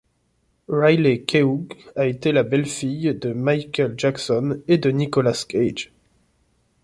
Riley Keough a été la belle-fille de Michael Jackson et de Nicolas Cage.